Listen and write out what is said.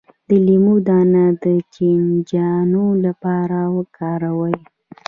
د لیمو دانه د چینجیانو لپاره وکاروئ